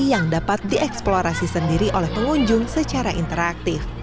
yang dapat dieksplorasi sendiri oleh pengunjung secara interaktif